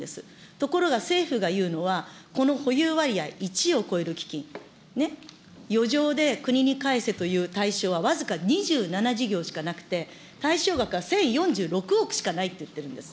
ところが政府が言うのは、この保有割合１を超える基金、ね、余剰で国に返せという対象は僅か２７事業しかなくて、なくて、対象額は１０４６億しかないっていってるんです。